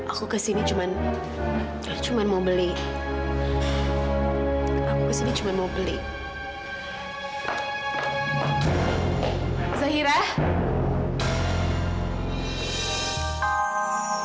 aku kesini cuman cuman mau ke apoteknya doang kok soalnya potik dirumah sakit lebih komplit